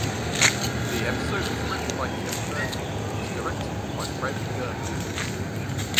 The episode was written by Kevin Murphy and was directed by Fred Gerber.